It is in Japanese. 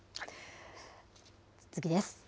次です。